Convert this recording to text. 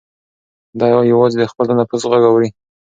دی یوازې د خپل تنفس غږ اوري.